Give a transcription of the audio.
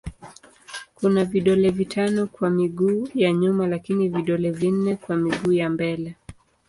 Kuna vidole vitano kwa miguu ya nyuma lakini vidole vinne kwa miguu ya mbele.